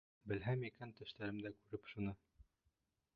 Белһәм икән, төштәремдә күреп шуны.